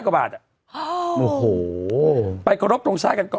๑๐๐กว่าบาทอ้อโอ้โหไปกระรอบตรงชาติกันก่อน